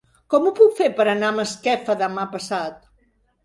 Com ho puc fer per anar a Masquefa demà passat?